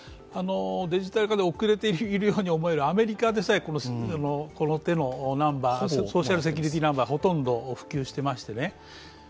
デジタル化で遅れているように思えるアメリカでさえ、この手のナンバー、ソーシャルセキュリティーナンバー、ほとんど普及していましてね